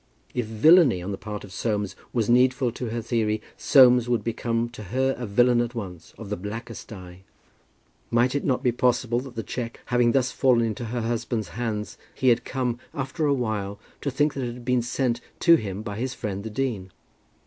If villany on the part of Soames was needful to her theory, Soames would become to her a villain at once, of the blackest dye. Might it not be possible that the cheque having thus fallen into her husband's hands, he had come, after a while, to think that it had been sent to him by his friend, the dean?